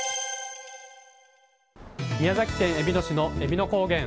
宮崎県えびの市の、えびの高原